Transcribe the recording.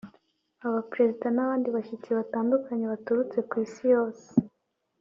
Abaperezida n’abandi bashyitsi batandukanye baturutse ku Isi yose